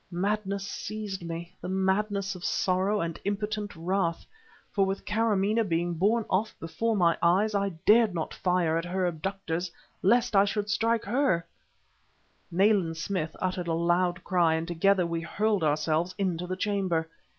Madness seized me, the madness of sorrow and impotent wrath. For, with Kâramaneh being borne off before my eyes, I dared not fire at her abductors lest I should strike her! Nayland Smith uttered a loud cry, and together we hurled ourselves into the chamber.